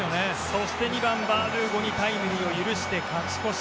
そして２番、バードゥーゴにタイムリーを許して勝ち越し。